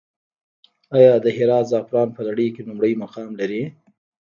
آیا د هرات زعفران په نړۍ کې لومړی مقام لري؟